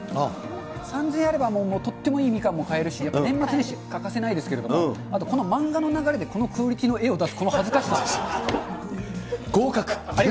３０００円あれば、とってもいいみかんも買えるし、やっぱり年末年始、欠かせないですけど、あとこの漫画の流れで、このクオリティーの絵を出すこの合格。